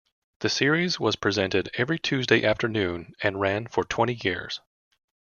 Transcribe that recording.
The series was presented every Tuesday afternoon and ran for twenty years.